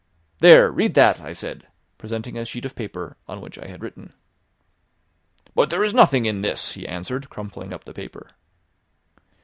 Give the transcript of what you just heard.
"There, read that!" I said, presenting a sheet of paper on which I had written. "But there is nothing in this," he answered, crumpling up the paper.